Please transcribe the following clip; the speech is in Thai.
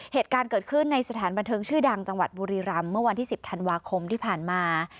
เหตุการณ์เกิดขึ้นในสถานบันเทิงชื่อดังจังหวัดบุรีรำเมื่อวันที่๑๐ธันวาคมที่ผ่านมา